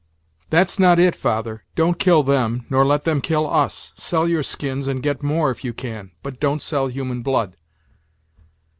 "That's not it, father! Don't kill them, nor let them kill us. Sell your skins, and get more, if you can; but don't sell human blood."